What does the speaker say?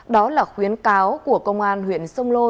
đó là khuyến cáo của công an huyện sông lô